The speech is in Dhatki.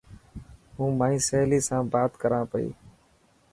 هون مائي سهيلي سان بات ڪران پئي.